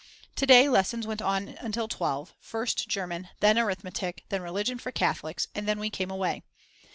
To day lessons went on until 12, first German, then arithmetic, then religion for Catholics, and then we came away.